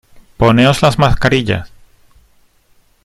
poneos las mascarillas.